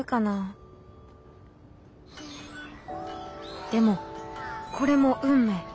心の声でもこれも運命。